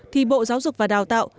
thì bộ giáo dục và đào tạo